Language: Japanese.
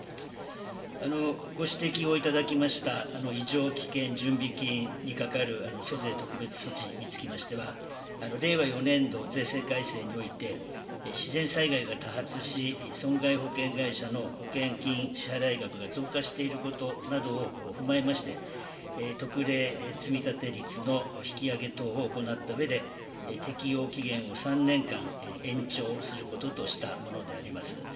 ご指摘をいただきました異常危険準備金にかかる租税特別措置につきましては、令和４年度税制改正において、自然災害が多発し損害保険会社の保険金支払い額が増加していることなどを踏まえまして、特例積立率の引き上げ等を行ったうえで、適用期限を３年間延長することとしたものであります。